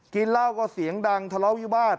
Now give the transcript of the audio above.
กินเหล้าก็เสียงดังทะเลาะวิวาส